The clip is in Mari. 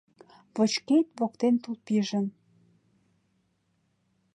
Вочкет воктен тул пижын